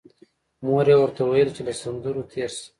مور یې ورته ویل چې له سندرو تېر شه